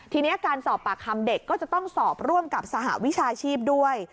ทีนี้การสอบปากคำเด็กก็จะต้องสอบร่วมกับสหวิชาชีพด้วย